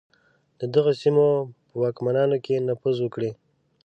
د دغو سیمو په واکمنانو کې نفوذ وکړي.